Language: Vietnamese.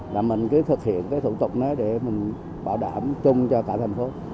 là mình cứ thực hiện cái thủ tục đó để mình bảo đảm chung cho cả thành phố